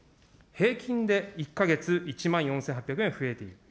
平均で１か月１万４８００円増えている。